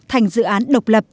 thành dự án độc lập